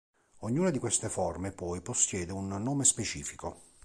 Ognuna di queste forme, poi, possiede un nome specifico.